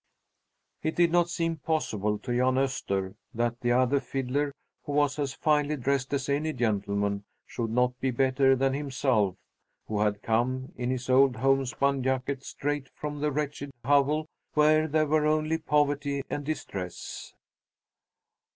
It did not seem possible to Jan Öster that the other fiddler, who was as finely dressed as any gentleman, should not be better than himself, who had come in his old homespun jacket straight from the wretched hovel where there were only poverty and distress.